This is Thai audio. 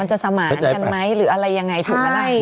มันจะสมาร์ทกันไหมหรืออะไรอย่างไรถูกหรือเปล่า